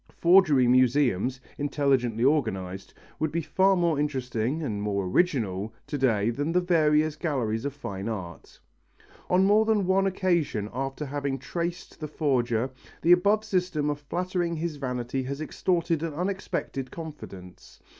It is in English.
Forgery museums, intelligently organized, would be far more interesting and more original to day than the various galleries of fine arts. On more than one occasion after having traced the forger, the above system of flattering his vanity has extorted an unexpected confidence.